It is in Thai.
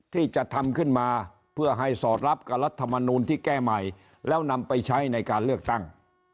ที่จะทำขึ้นมาเพื่อให้สอดรับกับรัฐมนูลที่แก้ใหม่แล้วนำไปใช้ในการเลือกตั้ง